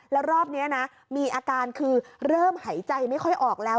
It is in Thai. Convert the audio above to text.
แล้วรอบนี้นะมีอาการคือเริ่มหายใจไม่ค่อยออกแล้ว